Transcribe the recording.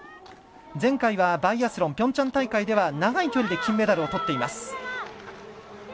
前回はバイアスロンピョンチャン大会では長い距離で金メダルをとっています。